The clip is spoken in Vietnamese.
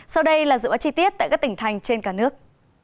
sau đây là dự báo chi tiết tại các tỉnh thành trên cả nước